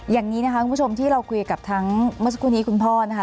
อย่างนี้นะคะคุณผู้ชมที่เราคุยกับทั้งเมื่อสักครู่นี้คุณพ่อนะคะ